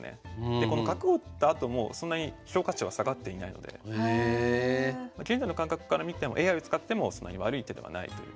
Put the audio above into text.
でこの角を打ったあともそんなに現在の感覚から見てもＡＩを使ってもそんなに悪い手ではないという。